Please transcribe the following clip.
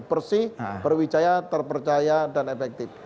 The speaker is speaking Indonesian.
bersih berwijaya terpercaya dan efektif